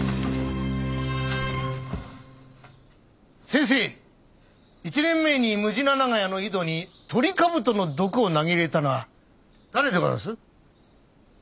先生１年前にむじな長屋の井戸にトリカブトの毒を投げ入れたのは誰でございます？